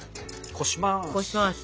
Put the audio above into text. こします。